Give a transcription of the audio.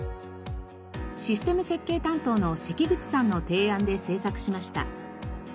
システム設計担当の関口さんの提案で製作しました。